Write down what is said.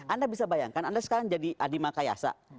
anda bisa bayangkan anda sekarang jadi adi makayasa